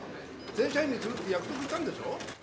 正社員にするって約束したんでしょ？